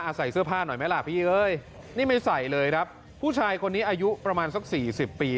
ใส่เสื้อผ้าหน่อยไหมล่ะพี่เอ้ยนี่ไม่ใส่เลยครับผู้ชายคนนี้อายุประมาณสักสี่สิบปี